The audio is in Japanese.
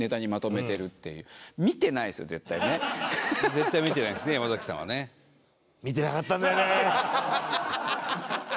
絶対見てないですね山崎さんはね。ハハハハ！